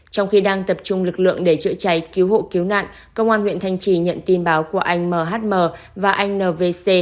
trong khi đang tập trung lực lượng để chữa cháy cứu hộ cứu nạn công an huyện thanh trì nhận tin báo của anh mhm và anh nvc